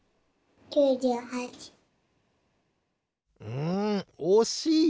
うんおしい！